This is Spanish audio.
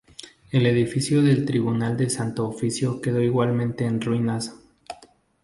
El edificio del Tribunal del Santo Oficio quedó igualmente en ruinas.